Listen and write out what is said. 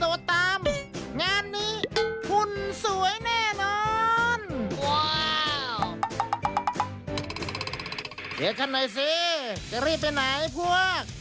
เดี๋ยวกันหน่อยสิจะรีบไปไหนพวก